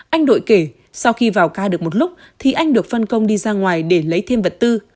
anh đội kể sau khi vào ca được một lúc thì anh được phân công đi ra ngoài để lấy thêm vật tư